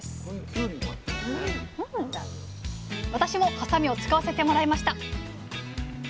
私もはさみを使わせてもらいました